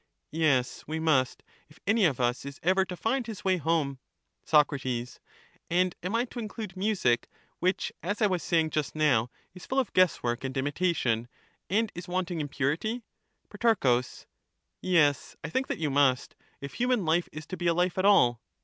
Pro, Yes, we must, if any of us is ever to find his way ^^® "®^s A ofevery home. day life. Soc, And am I to include music, which, as I was saying just now, is full of guesswork and imitation, and is wanting in purity ? Pro, Yes, I think that you must, if human life is to be a life at all.